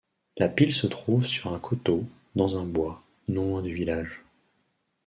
La pile se trouve sur un coteau, dans un bois, non loin du village.